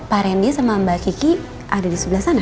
pak randy sama mbak kiki ada di sebelah sana